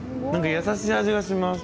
優しい味がします。